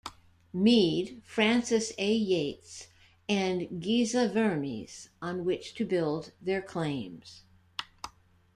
Mead, Frances A. Yates, and Geza Vermes on which to build their claims.